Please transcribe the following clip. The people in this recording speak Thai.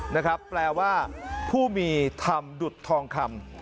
นะครับแปลว่าผู้มีธรรมดุดทองคำ